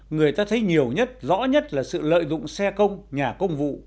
người ta thấy nhiều nhất rõ nhất là sự lợi dụng xe công nhà công vụ